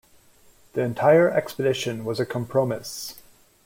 The entire expedition was a compromis.